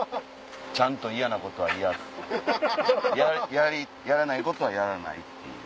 ちゃんと嫌なことは嫌やらないことはやらないっていう。